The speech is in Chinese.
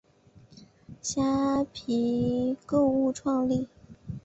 虾皮购物创立。